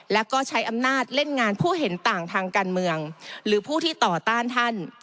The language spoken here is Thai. แล้วก็ใช้อำนาจเล่นงานผู้เห็นต่างทางการเมืองหรือผู้ที่ต่อต้านท่าน